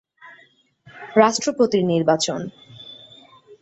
রাষ্ট্রপতির নির্বাচন